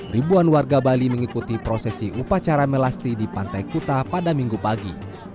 ribuan warga bali mengikuti prosesi upacara melasti di pantai kuta pada minggu pagi